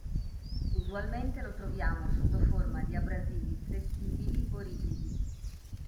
Usualmente lo troviamo sotto forma di abrasivi flessibili o rigidi.